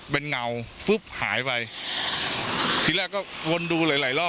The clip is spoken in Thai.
เป็นเงาฟึ๊บหายไปทีแรกก็วนดูหลายหลายรอบ